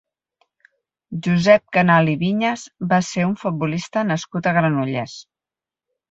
Josep Canal i Viñas va ser un futbolista nascut a Granollers.